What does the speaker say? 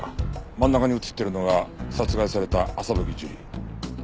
真ん中に写っているのが殺害された朝吹樹里。